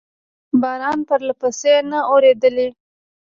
باران پرلپسې نه و اورېدلی.